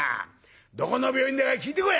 どこの病院だか聞いてこい！」。